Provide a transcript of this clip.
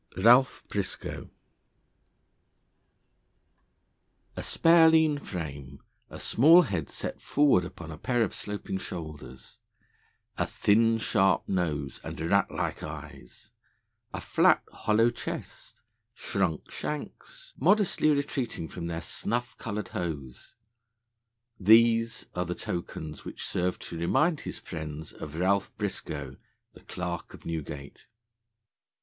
RALPH BRISCOE A SPARE, lean frame; a small head set forward upon a pair of sloping shoulders; a thin, sharp nose, and rat like eyes; a flat, hollow chest; shrunk shanks, modestly retreating from their snuff coloured hose these are the tokens which served to remind his friends of Ralph Briscoe, the Clerk of Newgate.